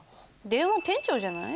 電話店長じゃない？